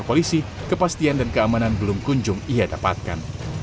perpolisi kepastian dan keamanan belum kunjung ia dapatkan